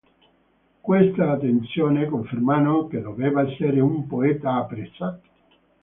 Queste attestazioni confermano che doveva essere un poeta apprezzato.